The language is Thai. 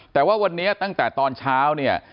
แต่ว่าวันนี้ตั้งแต่ตอนเช้าเนี่ย